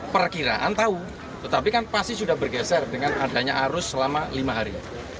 perkiraan tahu tetapi kan pasti sudah bergeser dengan adanya arus selama lima hari